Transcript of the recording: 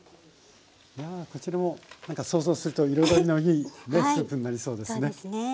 こちらも想像すると彩りのいいねスープになりそうですね。